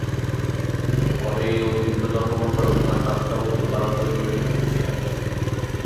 পরে এই অতিরিক্ত ধর্মগ্রন্থ রচনার কাজটা উত্তর ভারতেও ছড়িয়ে পড়ে।